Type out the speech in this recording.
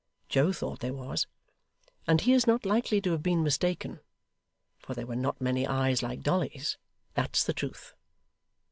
Joe thought there was and he is not likely to have been mistaken; for there were not many eyes like Dolly's, that's the truth.